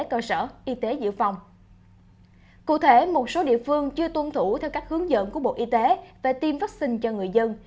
cụ thể một số địa phương chưa tuân thủ theo các hướng dẫn của bộ y tế về tiêm vaccine cho người dân